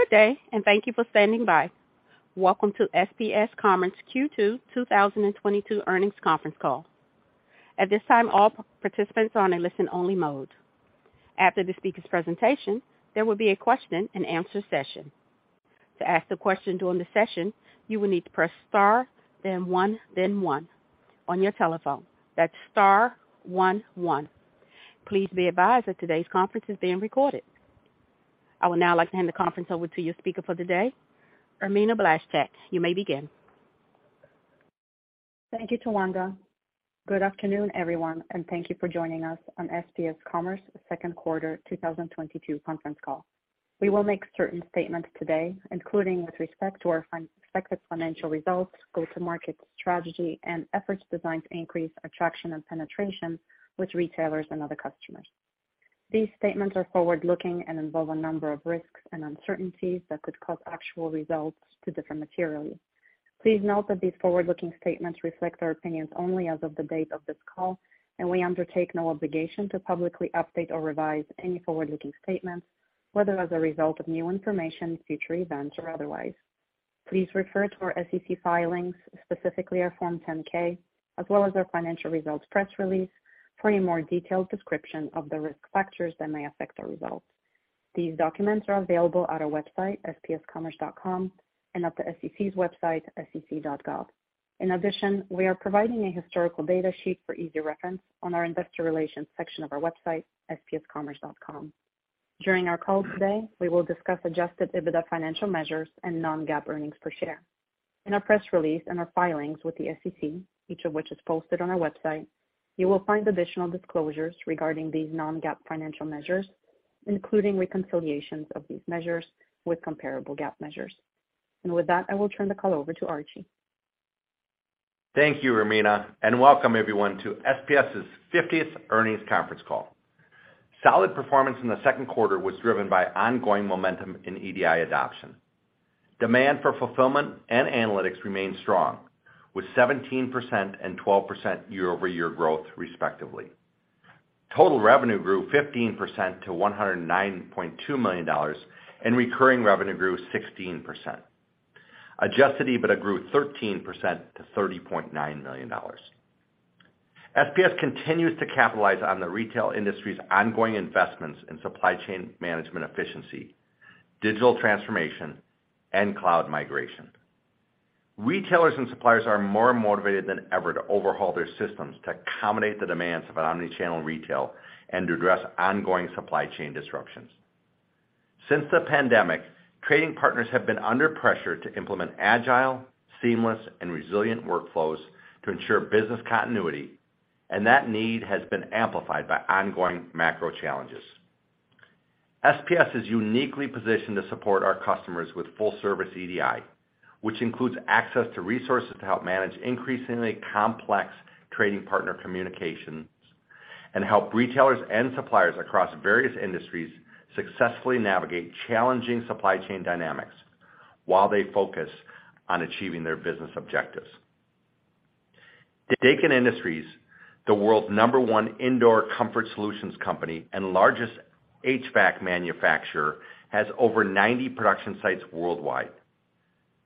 Good day, and thank you for standing by. Welcome to SPS Commerce Q2 2022 Earnings Conference Call. At this time, all participants are on a listen-only mode. After the speaker's presentation, there will be a question and answer session. To ask the question during the session, you will need to press star, then one, then one on your telephone. That's star one one. Please be advised that today's conference is being recorded. I would now like to hand the conference over to your speaker for the day, Irmina Blaszczyk. You may begin. Thank you, Towanda. Good afternoon, everyone, and thank you for joining us on SPS Commerce second quarter 2022 conference call. We will make certain statements today, including with respect to our expected financial results, go-to-market strategy, and efforts designed to increase attraction and penetration with retailers and other customers. These statements are forward-looking and involve a number of risks and uncertainties that could cause actual results to differ materially. Please note that these forward-looking statements reflect our opinions only as of the date of this call, and we undertake no obligation to publicly update or revise any forward-looking statements, whether as a result of new information, future events, or otherwise. Please refer to our SEC filings, specifically our Form 10-K, as well as our financial results press release for a more detailed description of the risk factors that may affect our results. These documents are available at our website, spscommerce.com, and at the SEC's website, sec.gov. In addition, we are providing a historical data sheet for easy reference on our investor relations section of our website, spscommerce.com. During our call today, we will discuss Adjusted EBITDA financial measures and non-GAAP earnings per share. In our press release and our filings with the SEC, each of which is posted on our website, you will find additional disclosures regarding these non-GAAP financial measures, including reconciliations of these measures with comparable GAAP measures. With that, I will turn the call over to Archie. Thank you, Irmina, and welcome everyone to SPS's fiftieth earnings conference call. Solid performance in the second quarter was driven by ongoing momentum in EDI adoption. Demand for Fulfillment and Analytics remained strong, with 17% and 12% year-over-year growth, respectively. Total revenue grew 15% to $109.2 million, and recurring revenue grew 16%. Adjusted EBITDA grew 13% to $30.9 million. SPS continues to capitalize on the retail industry's ongoing investments in supply chain management efficiency, digital transformation, and cloud migration. Retailers and suppliers are more motivated than ever to overhaul their systems to accommodate the demands of an omnichannel retail and to address ongoing supply chain disruptions. Since the pandemic, trading partners have been under pressure to implement agile, seamless, and resilient workflows to ensure business continuity, and that need has been amplified by ongoing macro challenges. SPS is uniquely positioned to support our customers with full service EDI, which includes access to resources to help manage increasingly complex trading partner communications and help retailers and suppliers across various industries successfully navigate challenging supply chain dynamics while they focus on achieving their business objectives. Daikin Industries, the world's number one indoor comfort solutions company and largest HVAC manufacturer, has over 90 production sites worldwide.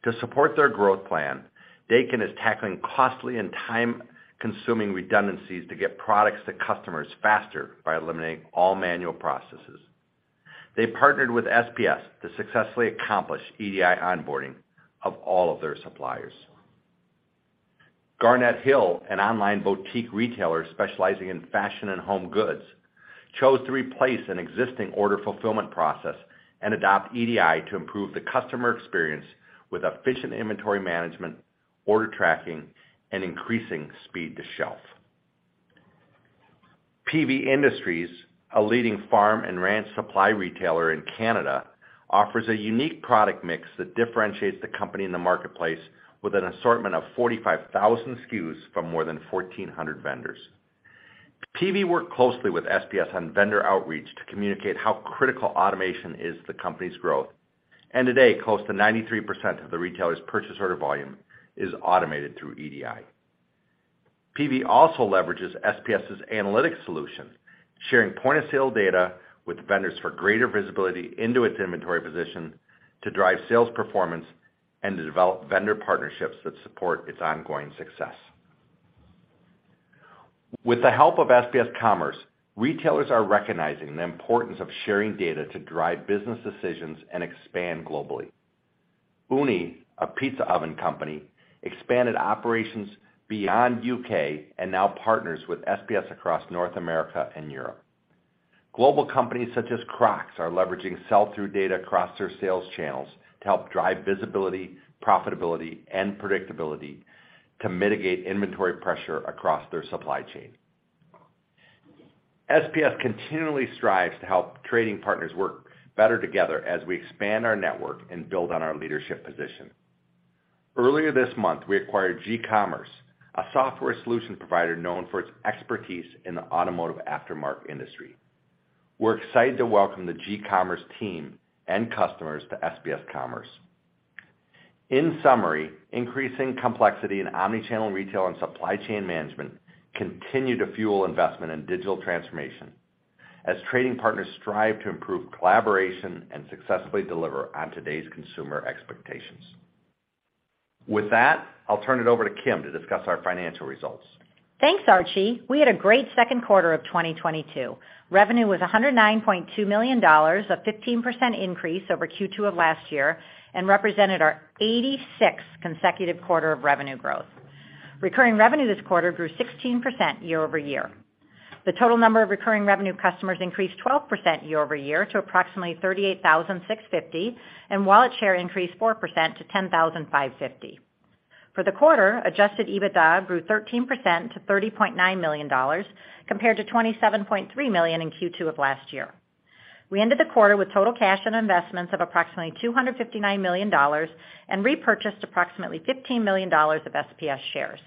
To support their growth plan, Daikin is tackling costly and time-consuming redundancies to get products to customers faster by eliminating all manual processes. They partnered with SPS to successfully accomplish EDI onboarding of all of their suppliers. Garnet Hill, an online boutique retailer specializing in fashion and home goods, chose to replace an existing order fulfillment process and adopt EDI to improve the customer experience with efficient inventory management, order tracking, and increasing speed to shelf. Peavey Industries, a leading farm and ranch supply retailer in Canada, offers a unique product mix that differentiates the company in the marketplace with an assortment of 45,000 SKUs from more than 1,400 vendors. Peavey worked closely with SPS on vendor outreach to communicate how critical automation is to the company's growth. Today, close to 93% of the retailer's purchase order volume is automated through EDI. Peavey also leverages SPS's analytics solution, sharing point of sale data with vendors for greater visibility into its inventory position to drive sales performance and to develop vendor partnerships that support its ongoing success. With the help of SPS Commerce, retailers are recognizing the importance of sharing data to drive business decisions and expand globally. Ooni, a pizza oven company, expanded operations beyond U.K. and now partners with SPS across North America and Europe. Global companies such as Crocs are leveraging sell-through data across their sales channels to help drive visibility, profitability, and predictability to mitigate inventory pressure across their supply chain. SPS continually strives to help trading partners work better together as we expand our network and build on our leadership position. Earlier this month, we acquired GCommerce, a software solution provider known for its expertise in the automotive aftermarket industry. We're excited to welcome the GCommerce team and customers to SPS Commerce. In summary, increasing complexity in omnichannel retail and supply chain management continue to fuel investment in digital transformation as trading partners strive to improve collaboration and successfully deliver on today's consumer expectations. With that, I'll turn it over to Kim to discuss our financial results. Thanks, Archie. We had a great second quarter of 2022. Revenue was $109.2 million, a 15% increase over Q2 of last year, and represented our 86th consecutive quarter of revenue growth. Recurring revenue this quarter grew 16% year-over-year. The total number of recurring revenue customers increased 12% year-over-year to approximately 38,650, and wallet share increased 4% to 10,550. For the quarter, adjusted EBITDA grew 13% to $30.9 million, compared to $27.3 million in Q2 of last year. We ended the quarter with total cash and investments of approximately $259 million and repurchased approximately $15 million of SPS shares.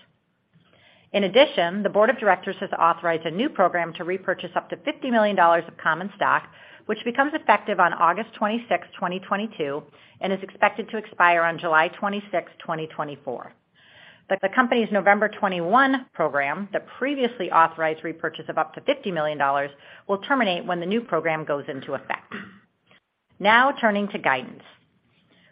In addition, the board of directors has authorized a new program to repurchase up to $50 million of common stock, which becomes effective on August 26, 2022 and is expected to expire on July 26, 2024. The company's November 2021 program, the previously authorized repurchase of up to $50 million, will terminate when the new program goes into effect. Now, turning to guidance.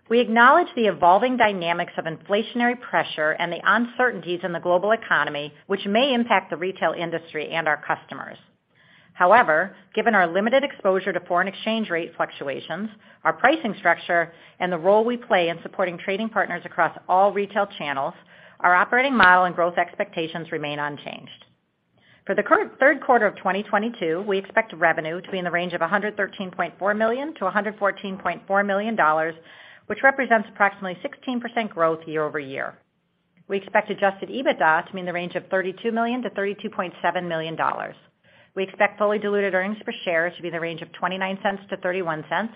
We acknowledge the evolving dynamics of inflationary pressure and the uncertainties in the global economy, which may impact the retail industry and our customers. However, given our limited exposure to foreign exchange rate fluctuations, our pricing structure, and the role we play in supporting trading partners across all retail channels, our operating model and growth expectations remain unchanged. For the current third quarter of 2022, we expect revenue to be in the range of $113.4 million-$114.4 million, which represents approximately 16% growth year-over-year. We expect Adjusted EBITDA to be in the range of $32 million-$32.7 million. We expect fully diluted earnings per share to be in the range of $0.29-$0.31,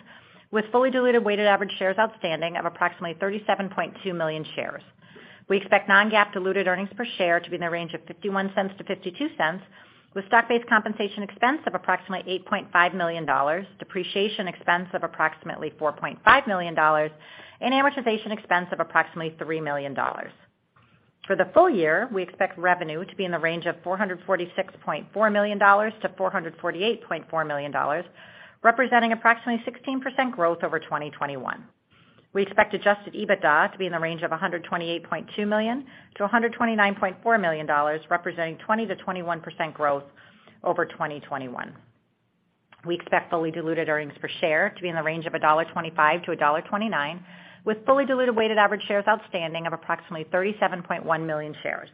with fully diluted weighted average shares outstanding of approximately 37.2 million shares. We expect non-GAAP diluted earnings per share to be in the range of $0.51-$0.52, with stock-based compensation expense of approximately $8.5 million, depreciation expense of approximately $4.5 million, and amortization expense of approximately $3 million. For the full year, we expect revenue to be in the range of $446.4 million-$448.4 million, representing approximately 16% growth over 2021. We expect adjusted EBITDA to be in the range of $128.2 million-$129.4 million, representing 20%-21% growth over 2021. We expect fully diluted earnings per share to be in the range of $1.25-$1.29, with fully diluted weighted average shares outstanding of approximately 37.1 million shares.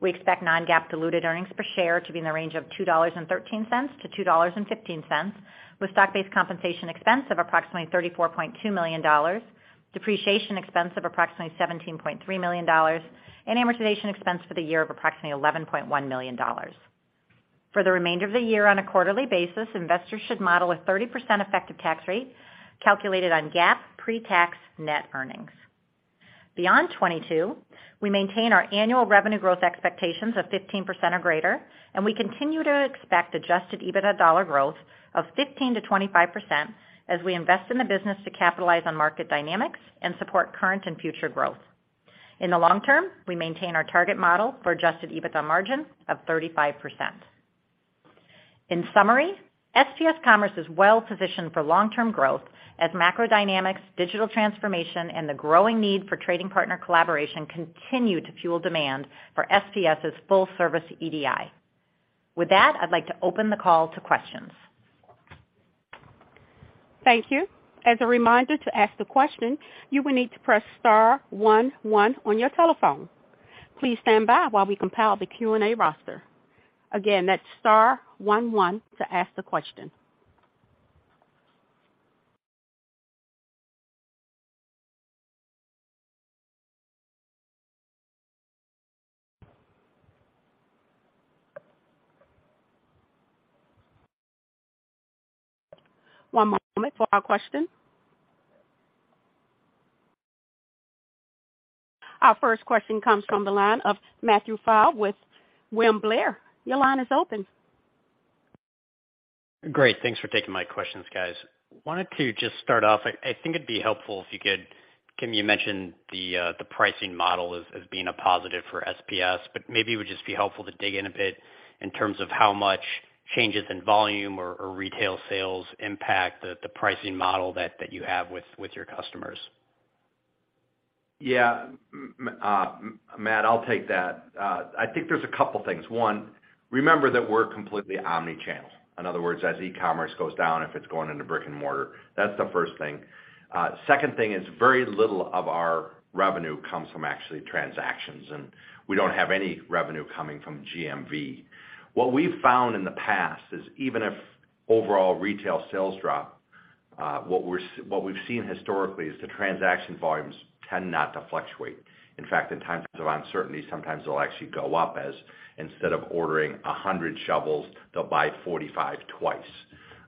We expect non-GAAP diluted earnings per share to be in the range of $2.13-$2.15, with stock-based compensation expense of approximately $34.2 million, depreciation expense of approximately $17.3 million, and amortization expense for the year of approximately $11.1 million. For the remainder of the year on a quarterly basis, investors should model a 30% effective tax rate calculated on GAAP pre-tax net earnings. Beyond 2022, we maintain our annual revenue growth expectations of 15% or greater, and we continue to expect Adjusted EBITDA dollar growth of 15%-25% as we invest in the business to capitalize on market dynamics and support current and future growth. In the long term, we maintain our target model for Adjusted EBITDA margin of 35%. In summary, SPS Commerce is well positioned for long-term growth as macro dynamics, digital transformation, and the growing need for trading partner collaboration continue to fuel demand for SPS's full service EDI. With that, I'd like to open the call to questions. Thank you. As a reminder to ask the question, you will need to press star one one on your telephone. Please stand by while we compile the Q&A roster. Again, that's star one one to ask the question. One moment for our question. Our first question comes from the line of Matthew Pfau with William Blair. Your line is open. Great. Thanks for taking my questions, guys. Wanted to just start off, I think it'd be helpful if you could, Kim, you mentioned the pricing model as being a positive for SPS, but maybe it would just be helpful to dig in a bit in terms of how much changes in volume or retail sales impact the pricing model that you have with your customers. Yeah. Matthew, I'll take that. I think there's a couple things. One, remember that we're completely omnichannel. In other words, as e-commerce goes down, if it's going into brick and mortar, that's the first thing. Second thing is very little of our revenue comes from actual transactions, and we don't have any revenue coming from GMV. What we've found in the past is even if overall retail sales drop, what we've seen historically is the transaction volumes tend not to fluctuate. In fact, in times of uncertainty, sometimes they'll actually go up as instead of ordering 100 shovels, they'll buy 45 twice.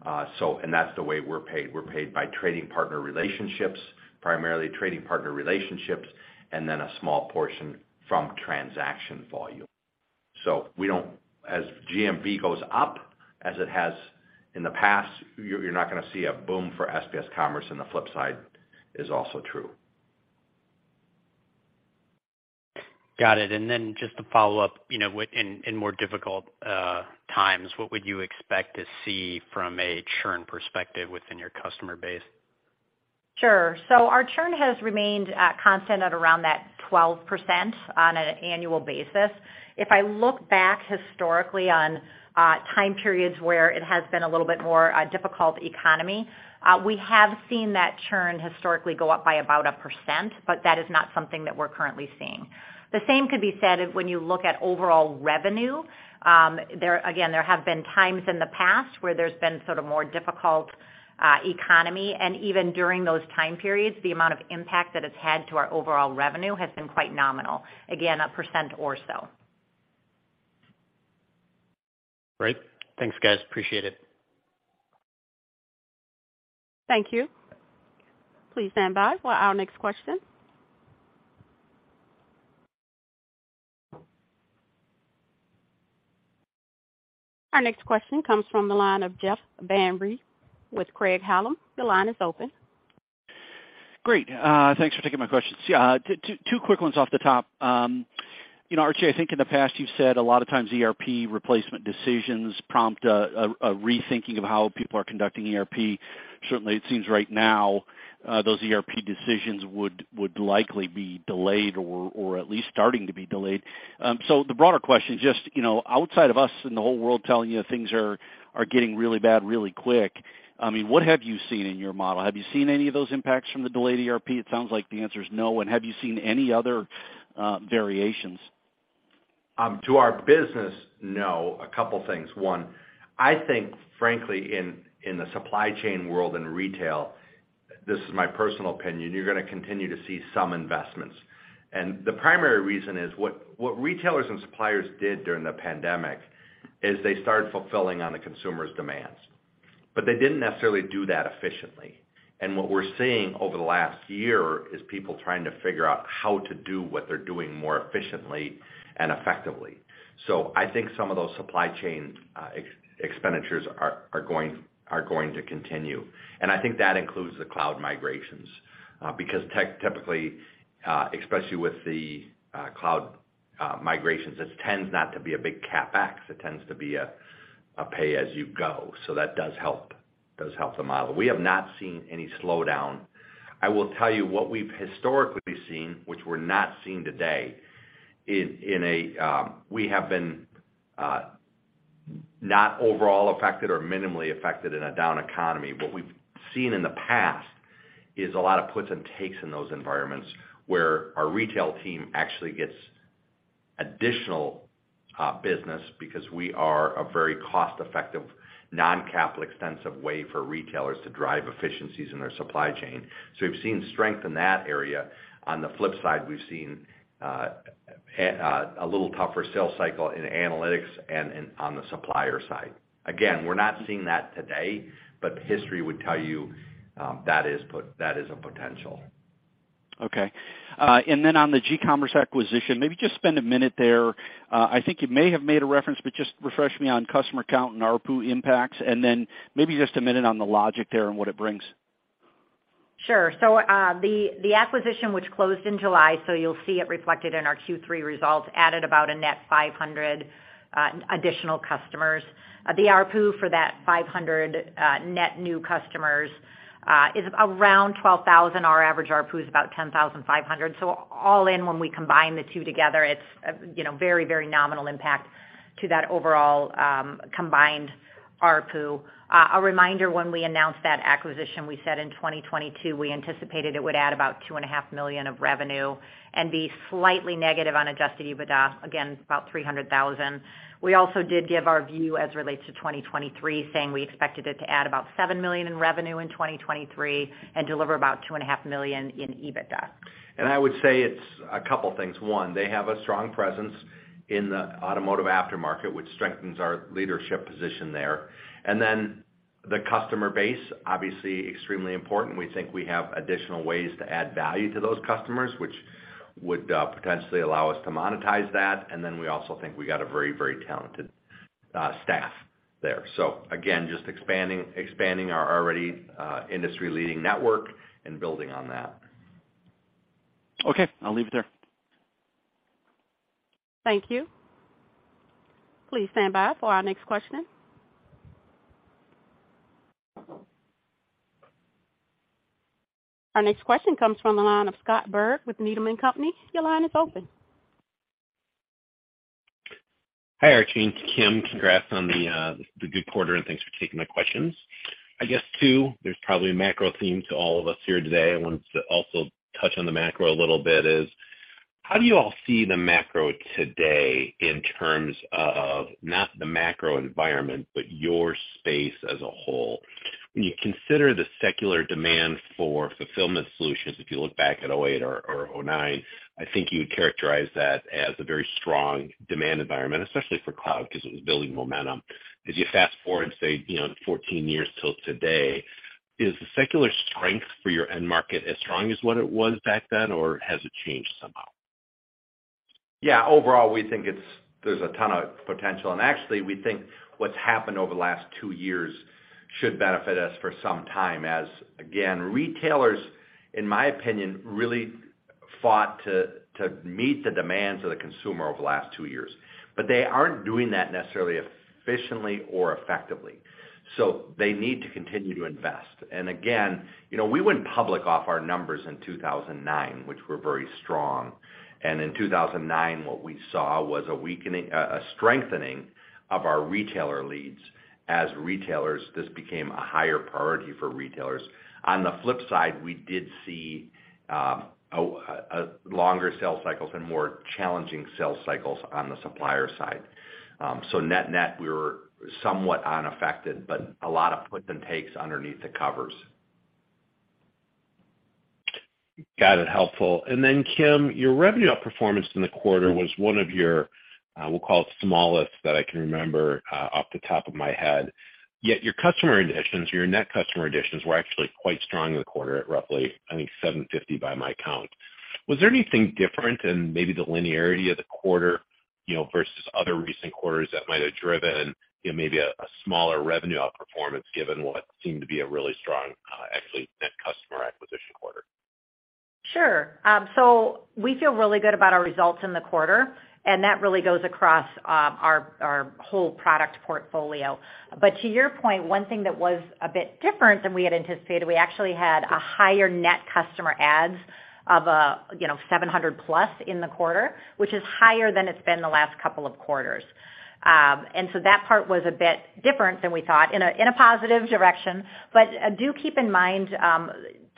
That's the way we're paid. We're paid by trading partner relationships, primarily, and then a small portion from transaction volume. As GMV goes up, as it has in the past, you're not gonna see a boom for SPS Commerce, and the flip side is also true. Got it. Just to follow up, you know, in more difficult times, what would you expect to see from a churn perspective within your customer base? Sure. Our churn has remained constant at around that 12% on an annual basis. If I look back historically on time periods where it has been a little bit more a difficult economy, we have seen that churn historically go up by about 1%, but that is not something that we're currently seeing. The same could be said when you look at overall revenue. There again, there have been times in the past where there's been sort of more difficult economy, and even during those time periods, the amount of impact that it's had to our overall revenue has been quite nominal, again, 1% or so. Great. Thanks, guys. Appreciate it. Thank you. Please stand by for our next question. Our next question comes from the line of Jeff Van Rhee with Craig-Hallum Capital Group. Your line is open. Great. Thanks for taking my questions. Yeah, two quick ones off the top. You know, Archie, I think in the past you've said a lot of times ERP replacement decisions prompt a rethinking of how people are conducting ERP. Certainly, it seems right now, those ERP decisions would likely be delayed or at least starting to be delayed. So the broader question is just, you know, outside of us and the whole world telling you things are getting really bad really quick, I mean, what have you seen in your model? Have you seen any of those impacts from the delayed ERP? It sounds like the answer is no. Have you seen any other variations? To our business, no. A couple things. One, I think frankly, in the supply chain world in retail, this is my personal opinion, you're gonna continue to see some investments. The primary reason is what retailers and suppliers did during the pandemic is they started fulfilling on the consumer's demands, but they didn't necessarily do that efficiently. What we're seeing over the last year is people trying to figure out how to do what they're doing more efficiently and effectively. I think some of those supply chain expenditures are going to continue. I think that includes the cloud migrations, because tech typically, especially with the cloud migrations, this tends not to be a big CapEx. It tends to be a pay as you go. That does help the model. We have not seen any slowdown. I will tell you what we've historically seen, which we're not seeing today. We have been not overall affected or minimally affected in a down economy. What we've seen in the past is a lot of puts and takes in those environments where our retail team actually gets additional business because we are a very cost-effective, non-capital-intensive way for retailers to drive efficiencies in their supply chain. So we've seen strength in that area. On the flip side, we've seen a little tougher sales cycle in analytics and on the supplier side. Again, we're not seeing that today, but history would tell you that is a potential. Okay. On the GCommerce acquisition, maybe just spend a minute there. I think you may have made a reference, but just refresh me on customer count and ARPU impacts, and then maybe just a minute on the logic there and what it brings. Sure. The acquisition which closed in July, so you'll see it reflected in our Q3 results, added about a net 500 additional customers. The ARPU for that 500 net new customers is around $12,000. Our average ARPU is about $10,500. All in, when we combine the two together, it's, you know, very, very nominal impact to that overall combined ARPU. A reminder when we announced that acquisition, we said in 2022, we anticipated it would add about $2.5 million of revenue and be slightly negative on adjusted EBITDA, again, about $300,000. We also did give our view as it relates to 2023, saying we expected it to add about $7 million in revenue in 2023 and deliver about $2.5 million in EBITDA. I would say it's a couple things. One, they have a strong presence in the automotive aftermarket, which strengthens our leadership position there. Then the customer base, obviously extremely important. We think we have additional ways to add value to those customers, which would potentially allow us to monetize that. Then we also think we got a very, very talented staff there. Again, just expanding our already industry-leading network and building on that. Okay. I'll leave it there. Thank you. Please stand by for our next question. Our next question comes from the line of Scott Berg with Needham & Company. Your line is open. Hi, Archie and Kim. Congrats on the good quarter, and thanks for taking the questions. I guess too, there's probably a macro theme to all of us here today. I wanted to also touch on the macro a little bit, how do you all see the macro today in terms of not the macro environment, but your space as a whole? When you consider the secular demand for Fulfillment solutions, if you look back at 2008 or 2009, I think you would characterize that as a very strong demand environment, especially for cloud, because it was building momentum. As you fast forward, say, you know, 14 years till today. Is the secular strength for your end market as strong as what it was back then, or has it changed somehow? Yeah, overall, we think it's. There's a ton of potential. We think what's happened over the last two years should benefit us for some time as, again, retailers, in my opinion, really fought to meet the demands of the consumer over the last two years. They aren't doing that necessarily efficiently or effectively, so they need to continue to invest. You know, we went public off our numbers in 2009, which were very strong. In 2009, what we saw was a strengthening of our retailer leads as retailers. This became a higher priority for retailers. On the flip side, we did see a longer sales cycles and more challenging sales cycles on the supplier side. Net-net, we were somewhat unaffected, but a lot of puts and takes underneath the covers. Got it. Helpful. Then, Kim, your revenue outperformance in the quarter was one of your, we'll call it smallest that I can remember, off the top of my head. Yet your customer additions, your net customer additions were actually quite strong in the quarter at roughly, I think, 750 by my count. Was there anything different in maybe the linearity of the quarter, you know, versus other recent quarters that might have driven, you know, maybe a smaller revenue outperformance given what seemed to be a really strong, actually net customer acquisition quarter? Sure. We feel really good about our results in the quarter, and that really goes across our whole product portfolio. To your point, one thing that was a bit different than we had anticipated, we actually had a higher net customer adds of, you know, 700+ in the quarter, which is higher than it's been the last couple of quarters. That part was a bit different than we thought in a positive direction. Do keep in mind,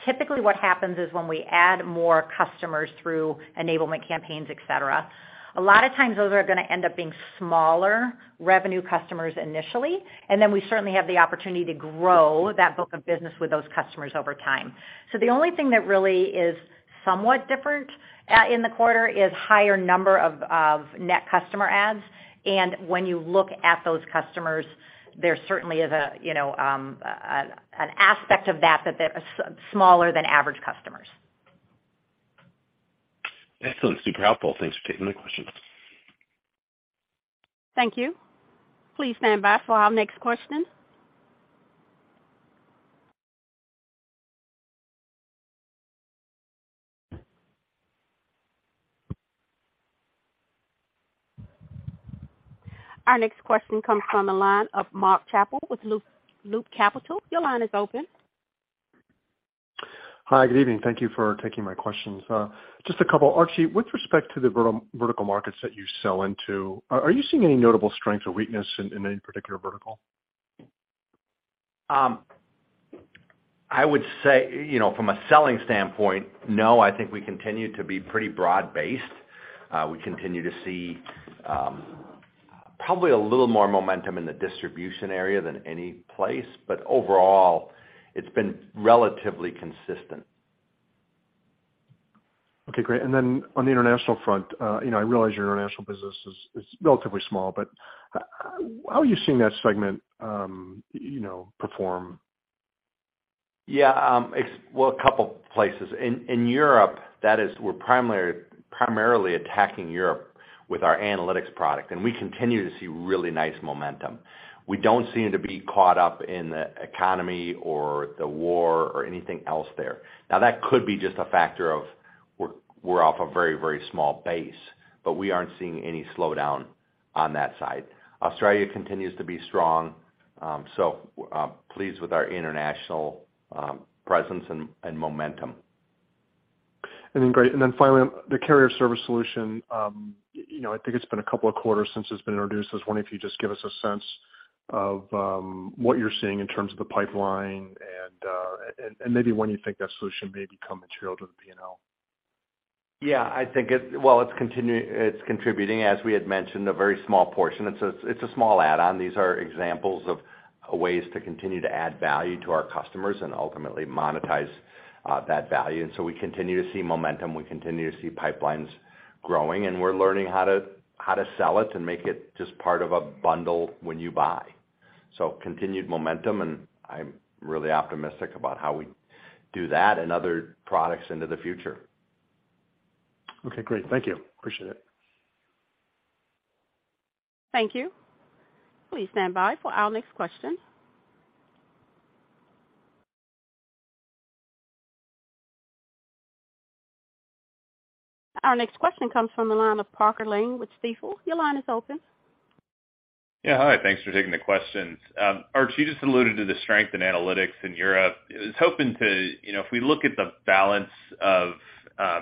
typically what happens is when we add more customers through enablement campaigns, et cetera, a lot of times those are gonna end up being smaller revenue customers initially, and then we certainly have the opportunity to grow that book of business with those customers over time. The only thing that really is somewhat different in the quarter is higher number of net customer adds. When you look at those customers, there certainly is a you know an aspect of that that they're smaller than average customers. Excellent. Super helpful. Thanks for taking my questions. Thank you. Please stand by for our next question. Our next question comes from the line of Mark Schappel with Loop Capital Markets. Your line is open. Hi. Good evening. Thank you for taking my questions. Just a couple. Archie, with respect to the vertical markets that you sell into, are you seeing any notable strength or weakness in any particular vertical? I would say, you know, from a selling standpoint, no, I think we continue to be pretty broad-based. We continue to see, probably a little more momentum in the distribution area than any place, but overall, it's been relatively consistent. Okay, great. On the international front, you know, I realize your international business is relatively small, but how are you seeing that segment, you know, perform? Yeah, well, a couple places. In Europe, that is, we're primarily attacking Europe with our analytics product, and we continue to see really nice momentum. We don't seem to be caught up in the economy or the war or anything else there. Now, that could be just a factor of we're off a very, very small base, but we aren't seeing any slowdown on that side. Australia continues to be strong, so pleased with our international presence and momentum. I mean, great. Then finally, the Carrier Service solution, you know, I think it's been a couple of quarters since it's been introduced. I was wondering if you just give us a sense of what you're seeing in terms of the pipeline and maybe when you think that solution may become material to the P&L. Well, it's contributing, as we had mentioned, a very small portion. It's a small add-on. These are examples of ways to continue to add value to our customers and ultimately monetize that value. We continue to see momentum, we continue to see pipelines growing, and we're learning how to sell it and make it just part of a bundle when you buy. Continued momentum, and I'm really optimistic about how we do that and other products into the future. Okay, great. Thank you. Appreciate it. Thank you. Please stand by for our next question. Our next question comes from the line of Parker Lane with Stifel. Your line is open. Yeah, hi. Thanks for taking the questions. Archie, you just alluded to the strength in analytics in Europe. I was hoping to. You know, if we look at the balance of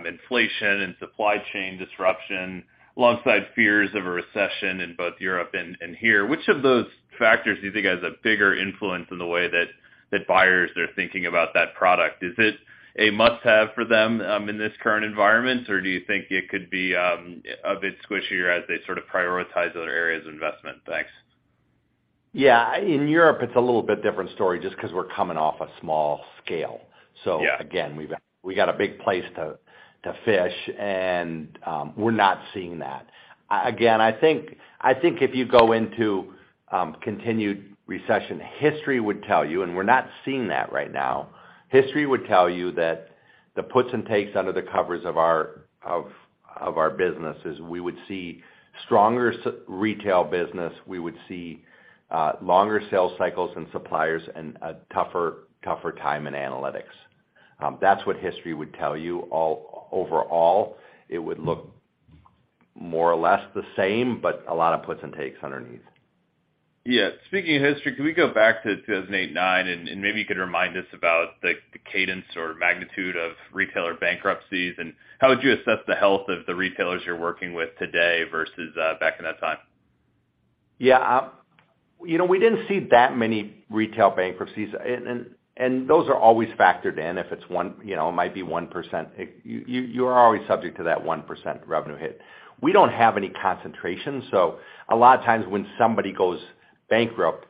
inflation and supply chain disruption alongside fears of a recession in both Europe and here, which of those factors do you think has a bigger influence in the way that buyers are thinking about that product? Is it a must-have for them in this current environment, or do you think it could be a bit squishier as they sort of prioritize other areas of investment? Thanks. Yeah. In Europe, it's a little bit different story just 'cause we're coming off a small scale. Yeah. Again, we've got a big place to fish, and we're not seeing that. Again, I think if you go into continued recession, history would tell you, and we're not seeing that right now. History would tell you that the puts and takes under the covers of our businesses, we would see stronger retail business. We would see longer sales cycles and suppliers and a tougher time in Analytics. That's what history would tell you overall, it would look more or less the same, but a lot of puts and takes underneath. Yeah. Speaking of history, can we go back to 2008-2009, and maybe you could remind us about the cadence or magnitude of retailer bankruptcies, and how would you assess the health of the retailers you're working with today versus back in that time? Yeah. You know, we didn't see that many retail bankruptcies. Those are always factored in. If it's one, you know, it might be 1%. You're always subject to that 1% revenue hit. We don't have any concentration, so a lot of times when somebody goes bankrupt,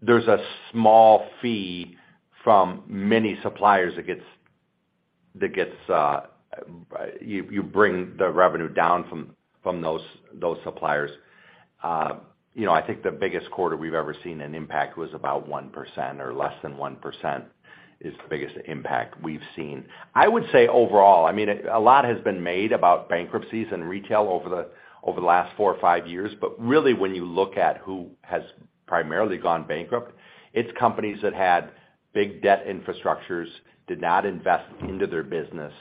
there's a small fee from many suppliers that gets. You bring the revenue down from those suppliers. You know, I think the biggest quarter we've ever seen an impact was about 1% or less than 1% is the biggest impact we've seen. I would say overall, I mean, a lot has been made about bankruptcies in retail over the last four or five years. Really when you look at who has primarily gone bankrupt, it's companies that had big debt infrastructures, did not invest into their business.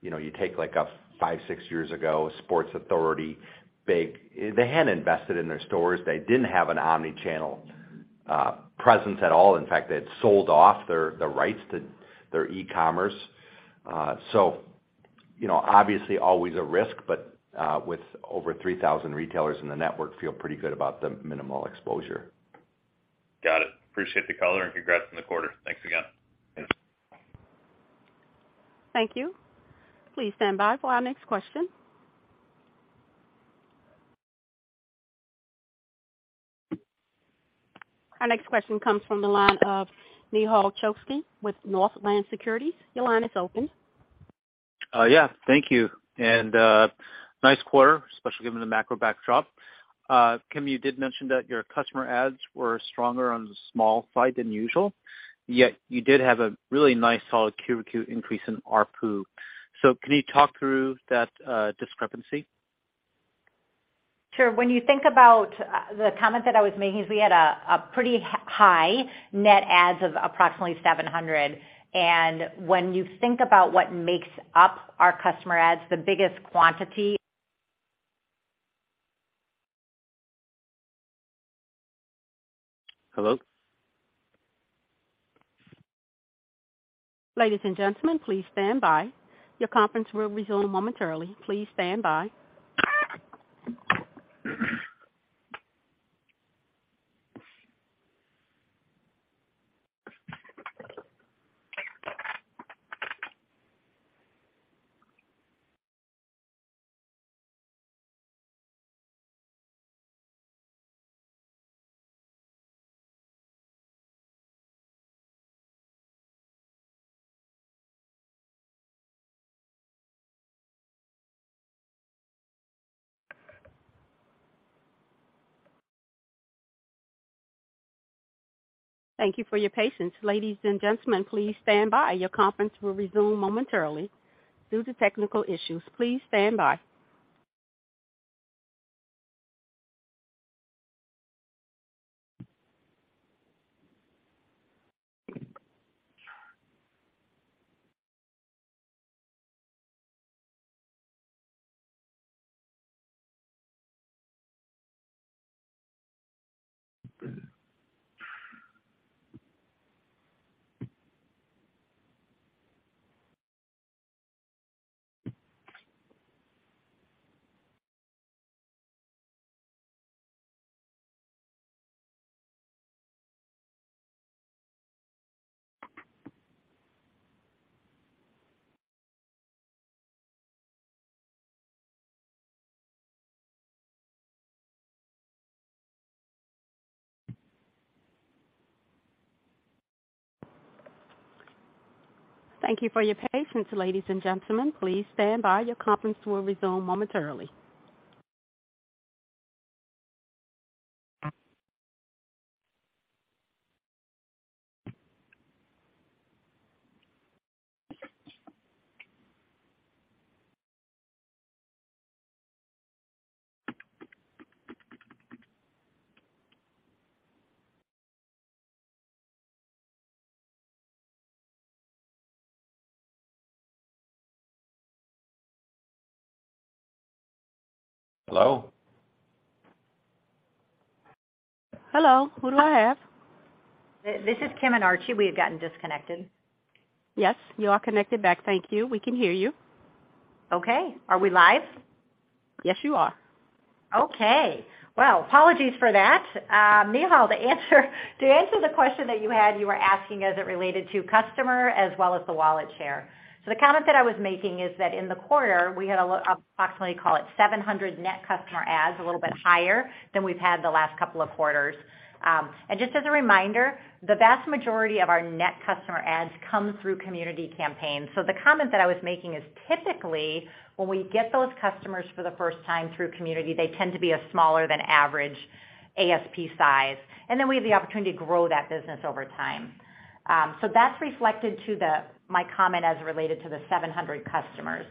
You know, you take like a five to sixyears ago, Sports Authority. They hadn't invested in their stores. They didn't have an omnichannel presence at all. In fact, they had sold off the rights to their e-commerce. You know, obviously always a risk, but with over 3,000 retailers in the network, feel pretty good about the minimal exposure. Got it. Appreciate the color, and congrats on the quarter. Thanks again. Thanks. Thank you. Please stand by for our next question. Our next question comes from the line of Nehal Chokshi with Northland Securities. Your line is open. Yeah. Thank you. Nice quarter, especially given the macro backdrop. Kim, you did mention that your customer adds were stronger on the small side than usual, yet you did have a really nice solid Q over Q increase in ARPU. Can you talk through that, discrepancy? Sure. When you think about the comment that I was making is we had a pretty high net adds of approximately 700. When you think about what makes up our customer adds, the biggest quantity- Hello? Ladies and gentlemen, please stand by. Your conference will resume momentarily. Please stand by. Thank you for your patience. Ladies and gentlemen, please stand by. Your conference will resume momentarily due to technical issues. Please stand by. Thank you for your patience, ladies and gentlemen. Please stand by. Your conference will resume momentarily. Hello? Hello. Who do I have? This is Kim and Archie. We have gotten disconnected. Yes, you are connected back. Thank you. We can hear you. Okay, are we live? Yes, you are. Okay. Well, apologies for that. Nehal, the answer, to answer the question that you had, you were asking as it related to customers as well as the wallet share. The comment that I was making is that in the quarter, we had approximately call it 700 net customer adds, a little bit higher than we've had the last couple of quarters. Just as a reminder, the vast majority of our net customer adds come through community campaigns. The comment that I was making is typically when we get those customers for the first time through community, they tend to be smaller than average ASP size, and then we have the opportunity to grow that business over time. That's reflected in my comment as it related to the 700 customers.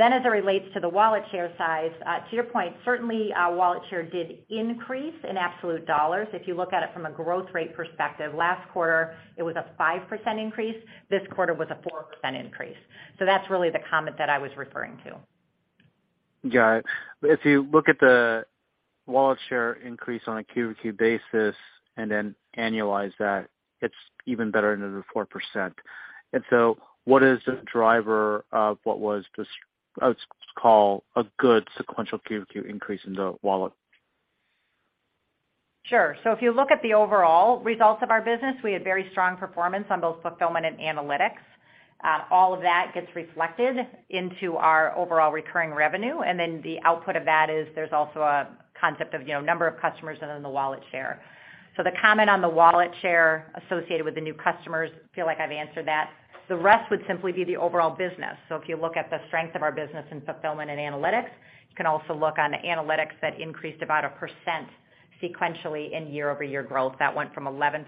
As it relates to the wallet share size, to your point, certainly our wallet share did increase in absolute dollars. If you look at it from a growth rate perspective, last quarter it was a 5% increase. This quarter was a 4% increase. That's really the comment that I was referring to. Got it. If you look at the wallet share increase on a Q-to-Q basis and then annualize that, it's even better than the 4%. What is the driver of what was this, I would call, a good sequential Q-to-Q increase in the wallet? Sure. If you look at the overall results of our business, we had very strong performance on both Fulfillment and Analytics. All of that gets reflected into our overall recurring revenue, and then the output of that is there's also a concept of, you know, number of customers and then the wallet share. The comment on the wallet share associated with the new customers, feel like I've answered that. The rest would simply be the overall business. If you look at the strength of our business in Fulfillment and Analytics, you can also look on the Analytics that increased about a percent sequentially in year-over-year growth. That went from 11%-12%.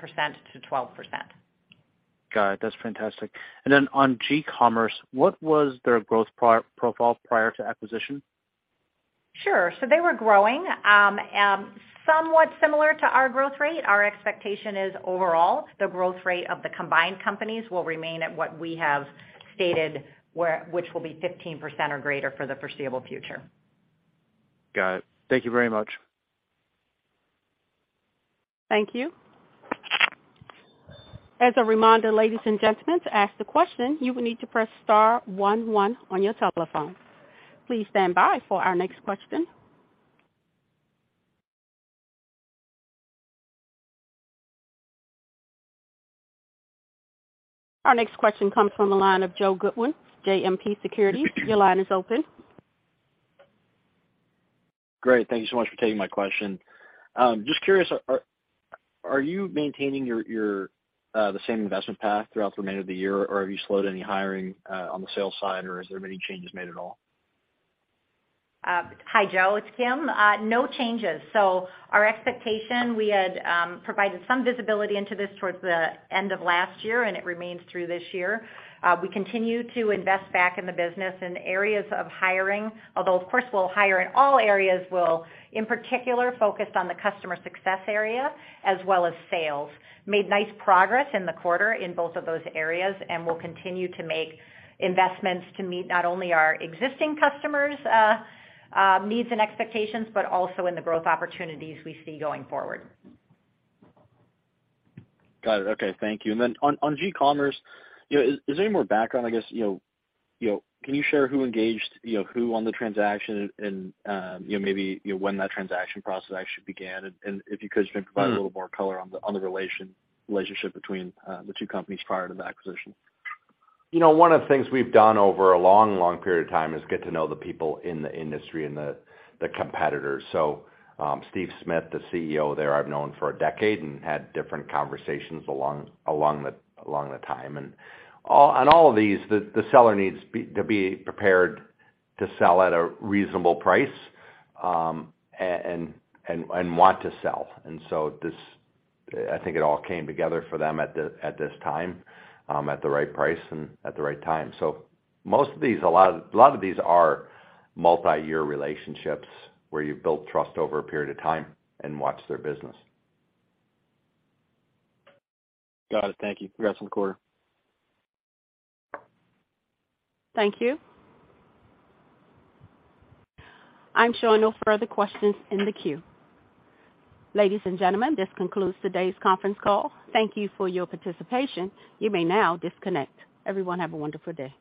Got it. That's fantastic. On GCommerce, what was their growth profile prior to acquisition? They were growing somewhat similar to our growth rate. Our expectation is overall, the growth rate of the combined companies will remain at what we have stated, which will be 15% or greater for the foreseeable future. Got it. Thank you very much. Thank you. As a reminder, ladies and gentlemen, to ask the question, you will need to press star one one on your telephone. Please stand by for our next question. Our next question comes from the line of Joe Goodwin, JMP Securities. Your line is open. Great. Thank you so much for taking my question. Just curious, are you maintaining your the same investment path throughout the remainder of the year, or have you slowed any hiring on the sales side, or has there been any changes made at all? Hi, Joe. It's Kim. No changes. Our expectation, we had provided some visibility into this towards the end of last year, and it remains through this year. We continue to invest back in the business in areas of hiring, although of course we'll hire in all areas, we'll in particular focus on the customer success area as well as sales. Made nice progress in the quarter in both of those areas and will continue to make investments to meet not only our existing customers' needs and expectations, but also in the growth opportunities we see going forward. Got it. Okay. Thank you. Then on GCommerce, you know, is there any more background, I guess, you know, can you share who engaged, you know, who on the transaction and, you know, maybe when that transaction process actually began? If you could just provide a little more color on the relationship between the two companies prior to the acquisition. You know, one of the things we've done over a long period of time is get to know the people in the industry and the competitors. Steve Smith, the CEO there, I've known for a decade and had different conversations along the time. On all of these, the seller needs to be prepared to sell at a reasonable price and want to sell. This, I think it all came together for them at this time, at the right price and at the right time. Most of these, a lot of these are multiyear relationships where you've built trust over a period of time and watch their business. Got it. Thank you. Congrats on the quarter. Thank you. I'm showing no further questions in the queue. Ladies and gentlemen, this concludes today's conference call. Thank you for your participation. You may now disconnect. Everyone, have a wonderful day.